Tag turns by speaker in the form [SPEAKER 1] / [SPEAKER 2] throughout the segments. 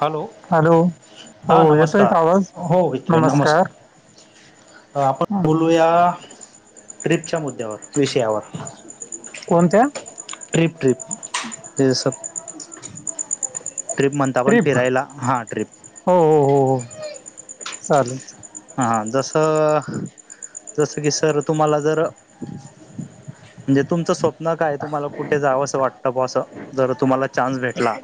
[SPEAKER 1] Hello.
[SPEAKER 2] हो
[SPEAKER 1] हा
[SPEAKER 2] येतोय
[SPEAKER 1] नमस्कार.
[SPEAKER 2] का आवाज
[SPEAKER 1] हो. [unintelligible]
[SPEAKER 2] नमस्कार
[SPEAKER 1] नमस्कार. आपण
[SPEAKER 2] हं.
[SPEAKER 1] बोलूया, ट्रिपच्या मुद्द्यावर विषयावर.
[SPEAKER 2] कोणत्या
[SPEAKER 1] ट्रिप ट्रिप जस ट्रिप म्हणता आपण
[SPEAKER 2] ट्रिप
[SPEAKER 1] फिरायला हां ट्रिप
[SPEAKER 2] हो हो हो हो चालेल
[SPEAKER 1] हां हां जसं जसं की सर तुम्हाला जर णजे तुमचं स्वप्न काय तुम्हाला कुठे जावं असं वाटतं बुवा असं जर तुम्हा चानस भेटला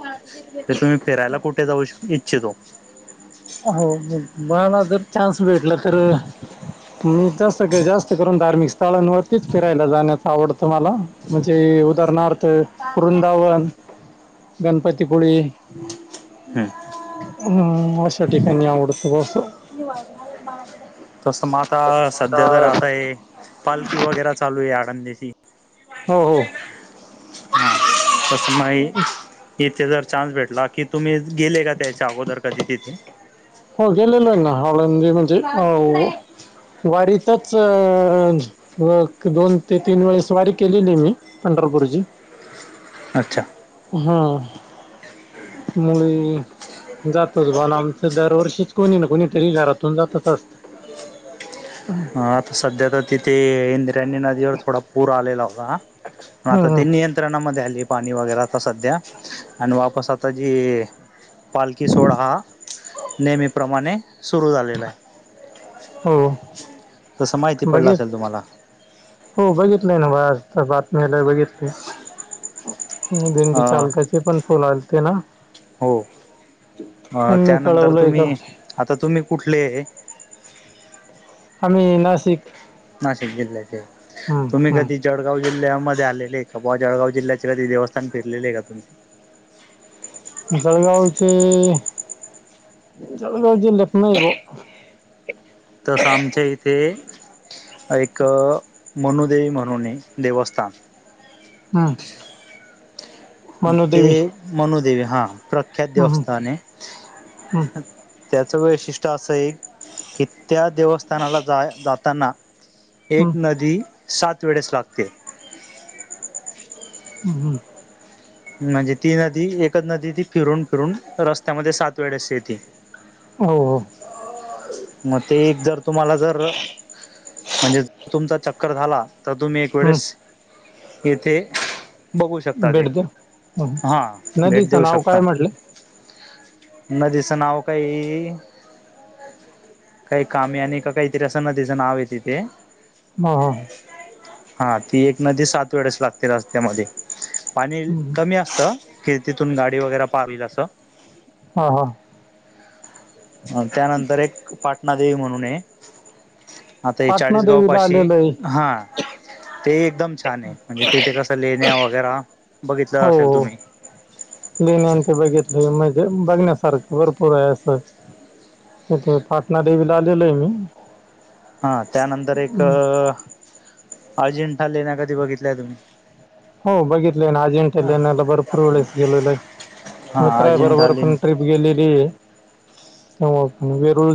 [SPEAKER 1] क तुम्ही फिरायला कुठे जाऊ इच्छितो
[SPEAKER 2] हो मला जर चान्स भेटला खर मी तस सगळे जास्त करून धार्मिक स्थळांवरतीच फिरायला जाण्याच आवडतं मला म्हणजे उदाहरणार्थ वृंदावन गणपती पूळे
[SPEAKER 1] हं.
[SPEAKER 2] हम्म अशा ठिकाणी आवडत बस
[SPEAKER 1] तस मग आता सध्या तर आता आहे पालखी वगैरे चालू आहे आळंदीची वा नि
[SPEAKER 2] ह
[SPEAKER 1] बसमई [unintelligible] इथे जर चान्स भेटला की तुम्ही गेले का त्याच्या अगोदर कधी तिथे
[SPEAKER 2] हो गेलेलो आहे ना हळंदी म्हणज हो वारीतच व दोन ते तीन वेळेस वारी केलेली आहे मी पंढरपूरची
[SPEAKER 1] हो
[SPEAKER 2] हम मुली जातोच बणमचं दर दरवर्षीच कोणी ना कोणीतरी घरातून जातच असतं
[SPEAKER 1] ह ह आता सध्या तर तिथे इंद्रायणी नदीवर थोडा पूर आलेला होता म आता त्यांनी‌ नियंत्रणामध्ये आली पाणी वगैरे आता सध्या आणि वापस आता जी पालखी सोळाा हा नेहमीप्रमाणे सुरू झालेला आहे
[SPEAKER 2] हो
[SPEAKER 1] तसं माहिती पडलं
[SPEAKER 2] बघित
[SPEAKER 1] असेल तुम्हाला
[SPEAKER 2] हो बघितलंय ना बा आता बातमी्याला बघितली आणि दिंडी
[SPEAKER 1] अ,
[SPEAKER 2] चालकाचे पण फुल आलते ना
[SPEAKER 1] हो
[SPEAKER 2] त्यांनी
[SPEAKER 1] त्यानंतर
[SPEAKER 2] कळवलंय का
[SPEAKER 1] तुम्ही आता तुम्ही कुठले
[SPEAKER 2] आम्ही नाशिक
[SPEAKER 1] नाशिक जिल्ह्याचे
[SPEAKER 2] हम्म,
[SPEAKER 1] तुम्ही कधी
[SPEAKER 2] हम्म.
[SPEAKER 1] जळगाव जिल्ह्यामध्ये आले आहे का बा जळगव जिल्ह्याचे कधी देवस्थान फीरलेले आहे का तुम्ही
[SPEAKER 2] जळगावचे जळगावचे लखन
[SPEAKER 1] तसं आमच्या इथे एक मनुदेवी म्हणूनून देवस्थान
[SPEAKER 2] हम
[SPEAKER 1] ते मनुदेवी हा प्रख्यात
[SPEAKER 2] हम्म,
[SPEAKER 1] देवस्थान
[SPEAKER 2] हम्म,
[SPEAKER 1] आहे त्याचं वैशिष्ट्य असं एक की त्या देवस्थानाला जा जाताना एक
[SPEAKER 2] हम्म,
[SPEAKER 1] नदी सात वेळेस लागते
[SPEAKER 2] ह हं
[SPEAKER 1] म्हणजे ती नदी एकच नदी ती फिरून फिरून रस्त्यामध्ये सात वेळेशी येते
[SPEAKER 2] हो हो
[SPEAKER 1] मग ते एक जर तुम्हाला जर म्हणजे तुमचा चक्कर झाला तर तुम्ही एक
[SPEAKER 2] हं,
[SPEAKER 1] वेळेस येथे बघू शकता ते
[SPEAKER 2] भेट द्या हं.
[SPEAKER 1] हा भेट
[SPEAKER 2] नदीचं
[SPEAKER 1] देऊ
[SPEAKER 2] नाव काय
[SPEAKER 1] शकता
[SPEAKER 2] म्हटलं
[SPEAKER 1] नदीचं नाव काही काही कामेयानि का काहीतरी असं नदीचं नाव आहे तिथे.
[SPEAKER 2] हा, हा.
[SPEAKER 1] हा ती एक नदी सात वेळेस लागते रस्त्यामध्ये. पाणी
[SPEAKER 2] हं. हं.
[SPEAKER 1] कमी असतं की तिथून गाडी वगैरे पावील असं.
[SPEAKER 2] हा, हा.
[SPEAKER 1] त्यानंतर एक पाठ ना देव म्हणूनहे. आता हे चाळीस गाव
[SPEAKER 2] पाटणादेवीला
[SPEAKER 1] पाशी
[SPEAKER 2] आलेलो आहे
[SPEAKER 1] हा ते एकदम छान आहे. म्हणजे तेथ कस लेण्या वगैरा
[SPEAKER 2] हो, हो! लेण्याआणि ते बघितले म्हणजे बघण्यासारख भरपूर आहे असं. ते ते पाटना देवीला आलेल मी.
[SPEAKER 1] हा त्यानंतर एक
[SPEAKER 2] हं.
[SPEAKER 1] अजिंठा लेण्या कधी बघितल्या तुम्ही?
[SPEAKER 2] हो बघितलं ना अजिंठा लेण्याला भरपूर वेळेस गेलो आहे.
[SPEAKER 1] हा
[SPEAKER 2] मित्र आहे
[SPEAKER 1] अजिंठा
[SPEAKER 2] बरोबर
[SPEAKER 1] लेणी
[SPEAKER 2] पण ट्रीप गेलेली हे [unintelligible] वेरूळ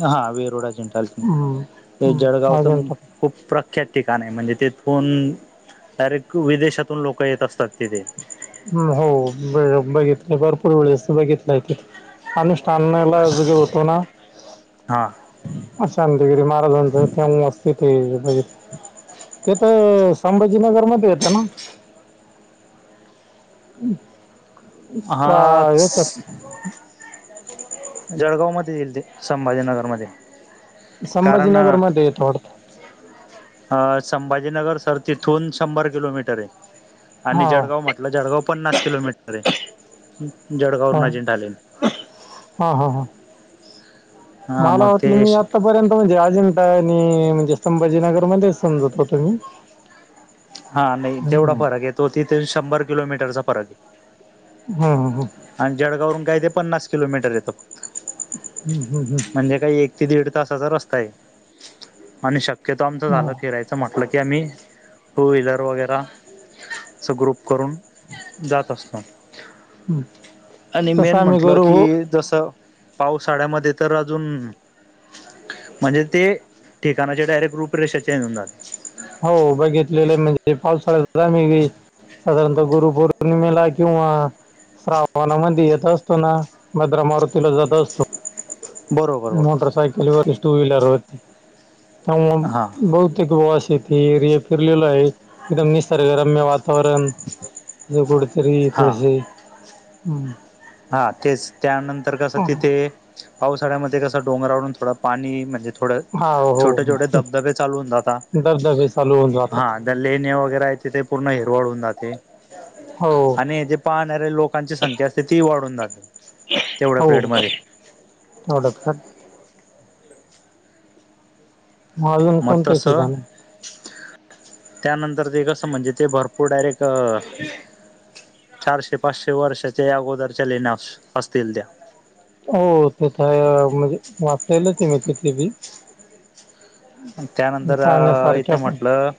[SPEAKER 1] हा वेरूळ अजिंठा
[SPEAKER 2] हं,
[SPEAKER 1] ते
[SPEAKER 2] हं.
[SPEAKER 1] जळगावच
[SPEAKER 2] अजिंठा
[SPEAKER 1] खूप प्रख्यात ठिकाण आहे म्हणजे तेथून. रेकू विदेशातून लोक येत असतात तिथे.
[SPEAKER 2] होे [unintelligible] बघितलंय भरपूर वेळ अस बघितलाय तिथे. अनुष्ठानेलाजगे होतो ना?
[SPEAKER 1] हा.
[SPEAKER 2] शांतीगिरी महाराजांच ते अस त ते बघित. ते तर संभाजीनगर मध्ये येतं ना?
[SPEAKER 1] [unintelligible] हा
[SPEAKER 2] काय यच
[SPEAKER 1] जळगाव मध्ये येईल ते संभाजीनगरमध्ये.
[SPEAKER 2] संभाजीनगर मध्ये येतो वाटतं.
[SPEAKER 1] अ संभाजीनगर सर तिथून शंभर किलोमीटर आहे. आणि
[SPEAKER 2] हां
[SPEAKER 1] जळगाव म्हटलं जळगाव पन्नास किलोमीटर आहे. जळगाव वर्ण अजिंठा आल.
[SPEAKER 2] हा ह ह
[SPEAKER 1] हा
[SPEAKER 2] मला
[SPEAKER 1] मग
[SPEAKER 2] वाटलं
[SPEAKER 1] ते
[SPEAKER 2] मी आतापर्यंत म्हणजे अजिंठा आणि म्हणजे संभाजीनगर मध्ये समजत होतो मी.
[SPEAKER 1] हा नाही तेवढा
[SPEAKER 2] हम्म.
[SPEAKER 1] फरक य तो तिथे शंभर किलोमीटरचा फरक आहे.
[SPEAKER 2] हम, हम, हम!
[SPEAKER 1] आणि जळगाववरून काय ते पन्नास किलोमीटर येतं फक्त.
[SPEAKER 2] हम्म, हम्, हम्म.
[SPEAKER 1] म्हणजे काही एक ते दीड तासाचा रस्ता आहे. आणि शक्यतो आमच झालं
[SPEAKER 2] हां,
[SPEAKER 1] फिरायचं. असं म्हटलं की आम्ही टू व्हीलर वगैरा अस ग्रुप करून जात असतो.
[SPEAKER 2] [unintelligible]
[SPEAKER 1] आणि मेन
[SPEAKER 2] आम्ही
[SPEAKER 1] म्हटलं
[SPEAKER 2] गुरु
[SPEAKER 1] की जसं पावसाळ्यामध्ये तर अजून म्हणजे ते ठिकाणाचे डायरेक्ट रूपरेषेचे [unintelligible]
[SPEAKER 2] हो बघितलेलं आहे म्हणजे पावसाळ्यात म साधारणता गुरुपौर्णिमेला किंवा श्रावणामध्ये येत असतोना भद्रा मारुतीला जात असतो.
[SPEAKER 1] बरोबर बरोबर
[SPEAKER 2] मोटर सायकलीवर टू व्हीलर वर. ह
[SPEAKER 1] हां
[SPEAKER 2] बहुतेक [unintelligible] फिरलेलो आहे एकदम निसर्गरम्य वात वरन अ कडतरी तथुळशी
[SPEAKER 1] हा तेच त्यानंतर कसं तिथे पावसाळ्यामध्ये कसं डोंगरावरढून थोडं पाणी म्हणजे थोडं
[SPEAKER 2] हा हो
[SPEAKER 1] छोटे छोटे धबधबे चालू होऊन जाता.
[SPEAKER 2] धबधबे चालू होऊन जातात
[SPEAKER 1] हां लेन्या वगैरे आहे, तिथे पूर्ण हिरवाळून जाते.
[SPEAKER 2] हो.
[SPEAKER 1] नाही जे पाहणाऱ्या लोकांची संख्या असते ती वाढून जाते. तेवढ्या
[SPEAKER 2] हो हो,
[SPEAKER 1] पिरियडमध्ये
[SPEAKER 2] थोडफार मग अजून
[SPEAKER 1] म
[SPEAKER 2] कोणत्याही
[SPEAKER 1] तसं
[SPEAKER 2] ठिकाणी
[SPEAKER 1] त्यानंतर ते कसं म्हणजे ते भरपूर डायरेक्ट अ चारशे पाचशे वर्षाच्या ही अगोदरच्या लेण्या अशं असतील त्या.
[SPEAKER 2] हो तिथं, म्हणजे वाचलेलंच आहे मी तिथे बी.
[SPEAKER 1] त्यानंतर अ
[SPEAKER 2] पाहण्यासारख्या
[SPEAKER 1] इथे
[SPEAKER 2] पण
[SPEAKER 1] म्हटलं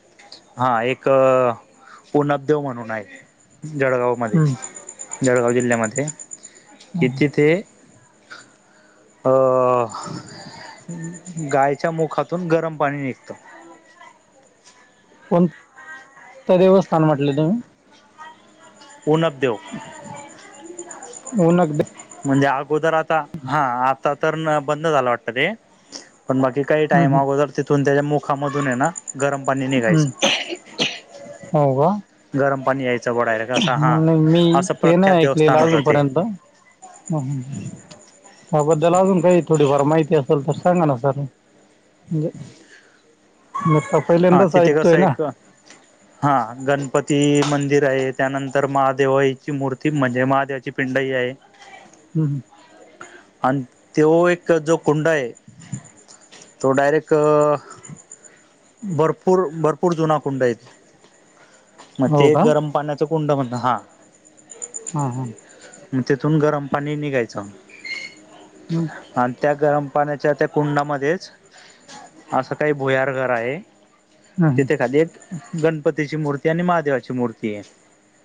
[SPEAKER 1] हा एक अ उनबदेव म्हणून आहे, जळगाव मध्ये.
[SPEAKER 2] हम्म,
[SPEAKER 1] जळगाव जिल्ह्यामध्ये, की
[SPEAKER 2] हम्म.
[SPEAKER 1] तिथे अ गायच्या मुखा तून गरम पाणी निघतं.
[SPEAKER 2] त देवस्थान म्हटलं तुम्ही?
[SPEAKER 1] उनबदेव.
[SPEAKER 2] म उनबदे
[SPEAKER 1] म्हणजे अगोदर आता, हा आता तर ना बंद झाला वाटत ते, पण बाकी काही टाइम
[SPEAKER 2] हम्म,
[SPEAKER 1] अगोदर तिथून त्याच्या मुखामधून आहे ना, गरम पाणी निघायचं
[SPEAKER 2] हम्म, हो का?
[SPEAKER 1] गरम पाणी यायचं बा डायरेक्ट असं हा,
[SPEAKER 2] नाही मी
[SPEAKER 1] असं
[SPEAKER 2] ते
[SPEAKER 1] प्रख्यात देवस्थान होतं ते.
[SPEAKER 2] हम्म हम्म, त्याबद्दल अजून काही थोडीफार माहिती असेल तर सांगा ना सर. म्हणजे, मी प पहिल्यांदाच ऐकतोय ना.
[SPEAKER 1] हां गणपती मंदिर आहे, त्यानंतर महादेवाची मूर्ती म्हणजे महादेवाची पिंडही आहे.
[SPEAKER 2] ह्म्म हम्म
[SPEAKER 1] आणि तो एक जो कुंड आहे, तो डायरेक अ भरपूर भरपूर जुना कुंड आहेत. मग
[SPEAKER 2] हो
[SPEAKER 1] ते
[SPEAKER 2] का
[SPEAKER 1] गरम पाण्याचं कुंड म्हण, हा.
[SPEAKER 2] हम हम
[SPEAKER 1] मग तिथून गरम पाणी निघायचं.
[SPEAKER 2] [unintelligible]
[SPEAKER 1] आणि त्या गरम पाण्याच्या त्या कुंडामध्येच, असं काही भुयार घर आहे.
[SPEAKER 2] हं, हं.
[SPEAKER 1] तिथे खाली एक गणपतीची मूर्ती आणि महादेवाची मूर्ती आहे,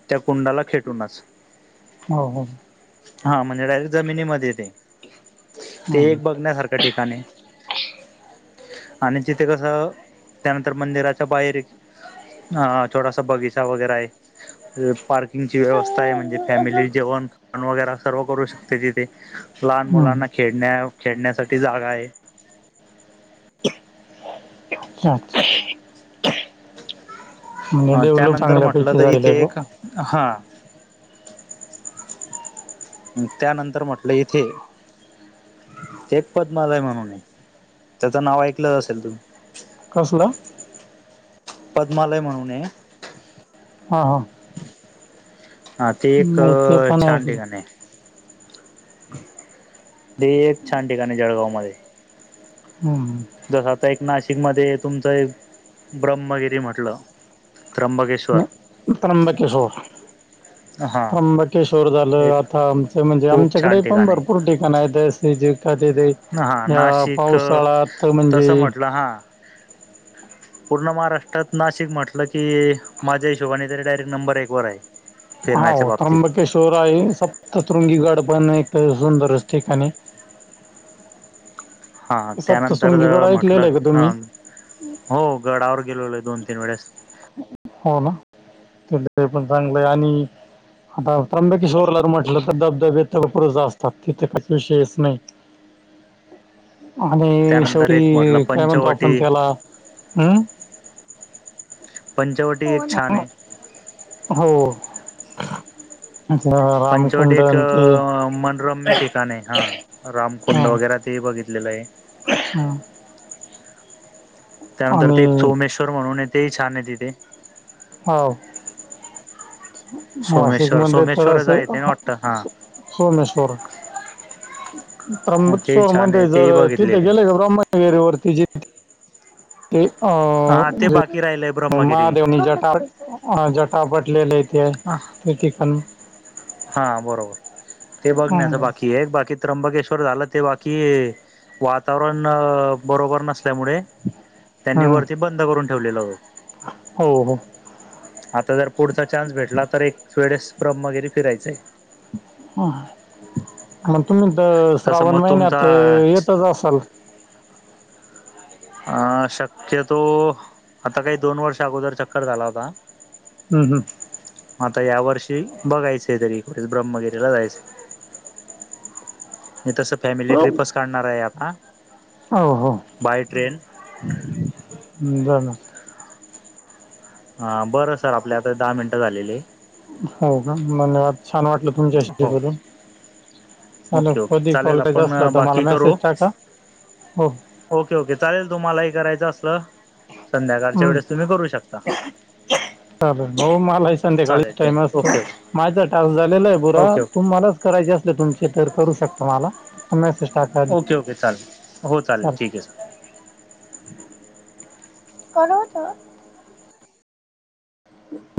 [SPEAKER 1] त्या कुंडाला खेटूनच,
[SPEAKER 2] हो हो
[SPEAKER 1] हा म्हणजे डायरेक्ट जमिनीमध्ये आहे ते. ते
[SPEAKER 2] हं, हं.
[SPEAKER 1] एक बघण्यासारखं ठिकाणी आहे. आणि तिथे कसं, त्यानंतर मंदिराच्या बाहेर हा हा छोटासा बगीचा वगैरे आहे. पार्क किंगची व्यवस्था आहे, म्हणजे फॅमिली जेवणं वगैरा सर्व करू शकते तिथे. लहान
[SPEAKER 2] हं.
[SPEAKER 1] मुलांना खेळण्या खेळण्यासाठी जागा आहे.
[SPEAKER 2] [unintelligible] म्हणजे डेवलप
[SPEAKER 1] त्यानंतर म्हटलं
[SPEAKER 2] चांगल्यापैकी
[SPEAKER 1] तर
[SPEAKER 2] झालेलं आहे
[SPEAKER 1] इथे
[SPEAKER 2] बवा.
[SPEAKER 1] एक हा. म त्यानंतर म्हटलं इथे ते एक पद्मालय म्हणून आहे, त्याचं नाव ऐकलं असेल तुम्ही?
[SPEAKER 2] कसलं?
[SPEAKER 1] पद्मालय म्हणून आहे.
[SPEAKER 2] हा हा
[SPEAKER 1] हा ते एक
[SPEAKER 2] नाही ते पण
[SPEAKER 1] छान
[SPEAKER 2] ऐकलं
[SPEAKER 1] ठिकाण आहे. ते एक छान ठिकाण आहे जळगाव मध्ये.
[SPEAKER 2] हम्म हम्म
[SPEAKER 1] तर आता एक नाशिकमध्ये तुमचं एक ब्रह्मगिरी म्हटलं, त्र्यंबकेश्
[SPEAKER 2] त्र्यंबकेश्वर
[SPEAKER 1] हा.
[SPEAKER 2] त्र्यंबकेश्वर झालं
[SPEAKER 1] एक
[SPEAKER 2] आता आमचं म्हणजे
[SPEAKER 1] खूप छान
[SPEAKER 2] आमच्याकडे पण
[SPEAKER 1] ठिकाण
[SPEAKER 2] भरपूर
[SPEAKER 1] आहे
[SPEAKER 2] ठिकाण आहेत जसे जे का तिथे,
[SPEAKER 1] हा
[SPEAKER 2] या
[SPEAKER 1] नाशिक
[SPEAKER 2] पावसाळ्यात म्हणजे
[SPEAKER 1] तसं म्हटलं हा. पूर्ण महाराष्ट्रात नाशिक म्हटलं की माझ्या हिशोबाने तरी डायरेक्ट नंबर एक वर आहे.
[SPEAKER 2] हा
[SPEAKER 1] फिरण्याच्या बाबतीत
[SPEAKER 2] त्र्यंबकेश्वर आहे सप्ततृंगी गडपण एक सुंदरच ठिकाण आहे.
[SPEAKER 1] हा त्यानंतर
[SPEAKER 2] सप्तशृंगी गड ऐकलेलं
[SPEAKER 1] म्हटलं
[SPEAKER 2] आहे का
[SPEAKER 1] हा
[SPEAKER 2] तुम्ही
[SPEAKER 1] हो गडावर गेलोल आहे दोन तीन वेळेस.
[SPEAKER 2] हो ना, [unintelligible] पण चांगलंय आणि आता त्र्यंबेकीिशोवरला म्हटलं तर धबधबे त पुर असतात तिथे काही विषयच नाही.
[SPEAKER 1] [inaudible]
[SPEAKER 2] आणि
[SPEAKER 1] त्यानंतर एक म्हटलं
[SPEAKER 2] शेवटी काय म्हणतो आपण
[SPEAKER 1] पंचवटी
[SPEAKER 2] त्याला, हम्.
[SPEAKER 1] पंचावटी एक छानये.
[SPEAKER 2] हो. ते
[SPEAKER 1] पंचवटी
[SPEAKER 2] रामकुंड
[SPEAKER 1] एक
[SPEAKER 2] आणि ते
[SPEAKER 1] मनोरम्य ठिकाणे हा, राम कुंड वगैर. ते बघितलेलं आहे.
[SPEAKER 2] हा.
[SPEAKER 1] त्यानंतर ते एक
[SPEAKER 2] आणि
[SPEAKER 1] सोमेश्वर म्हणून आहे तेही छान आहे तिथे.
[SPEAKER 2] हाव.
[SPEAKER 1] सोमेश्वर
[SPEAKER 2] नाशिकमध्ये तर अस
[SPEAKER 1] सोमेश्वरच आहे ते ना वाटतं हा हा,
[SPEAKER 2] सोमेश्वर,
[SPEAKER 1] तेही
[SPEAKER 2] त्र्यंबकेश्वर
[SPEAKER 1] छान आहे
[SPEAKER 2] मध्येे
[SPEAKER 1] तेही
[SPEAKER 2] जर तिथे
[SPEAKER 1] बघितलेले
[SPEAKER 2] गेले का ब्रह्म वगैरे वरती जे ते
[SPEAKER 1] हा
[SPEAKER 2] अहं
[SPEAKER 1] ते
[SPEAKER 2] जे,
[SPEAKER 1] बाकी राहिलंय ब्रह्मगिरी
[SPEAKER 2] महादेवनी जटा, जटां आपटलेले.
[SPEAKER 1] हा, हा बरोबर, ते बघण्याच
[SPEAKER 2] हम्म.
[SPEAKER 1] बाकी आहे बाकी त्र्यंबकेश्वर झालं ते बाकी, वातावरण बरोबर नसल्यामुळे त्यांनी
[SPEAKER 2] हम्म.
[SPEAKER 1] वरती बंद करून ठेवलेलं.
[SPEAKER 2] हो हो.
[SPEAKER 1] आता जर पुढचा चान्स भेटला तर एक वेळेस ब्रह्म वगेरे फिरायचे.
[SPEAKER 2] म तुम्ही तर
[SPEAKER 1] तसं
[SPEAKER 2] श्रावण
[SPEAKER 1] मग तुमचा
[SPEAKER 2] महिन्यात येतच असाल.
[SPEAKER 1] अ शक्यतो, आता काय दोन वर्ष अगोदर चक्कर झाला होता.
[SPEAKER 2] हम्म हम्म.
[SPEAKER 1] म आता या वर्षी बघायचय तरी कुठे ब्रह्मगिरीला जायचंय. मी तसं फॅमिली ट्रिपच काढणार आहे आता.
[SPEAKER 2] हो हो,
[SPEAKER 1] बाय ट्रेन
[SPEAKER 2] जाना.
[SPEAKER 1] हा बरं सर आपले आता दहा मिनटं झालेले आहे.
[SPEAKER 2] हो का [unintelligible] छान वाटलं तुमच्याशी
[SPEAKER 1] हो
[SPEAKER 2] बोलून. हॅलो
[SPEAKER 1] ओके ओके
[SPEAKER 2] कधी कॉल
[SPEAKER 1] चालेल
[SPEAKER 2] करायचा
[SPEAKER 1] आपण
[SPEAKER 2] असल तर मला
[SPEAKER 1] बाकी
[SPEAKER 2] मेसेज
[SPEAKER 1] करू
[SPEAKER 2] टाका, हो.
[SPEAKER 1] ओके ओके चालेल तुम्हालाही करायचं असलं, संध्याकाळच्या
[SPEAKER 2] हम्म.
[SPEAKER 1] वेळेस तुम्ही करू शकता.
[SPEAKER 2] चालेल हो मला संध्याकाळी
[SPEAKER 1] चालेल
[SPEAKER 2] टाइम
[SPEAKER 1] ठीक
[SPEAKER 2] असतो,
[SPEAKER 1] ओके ओके
[SPEAKER 2] माझं टास्क झालेला आहे पुरा
[SPEAKER 1] ओके ओके
[SPEAKER 2] तुम्हालास करायचे असले तुमचे तर करू शकता मला. मसे
[SPEAKER 1] ओके ओके चालेल, हो चालेल ठीक आहे सर.
[SPEAKER 2] [unintelligible] होत. [inaudible]